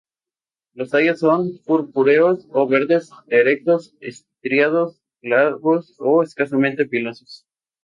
Los tallos son purpúreos o verdes, erectos, estriados, glabros o escasamente pilosos.